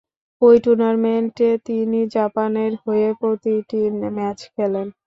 ঐ টুর্নামেন্টে তিনি জাপানের হয়ে প্রতিটি ম্যাচ খেলেন।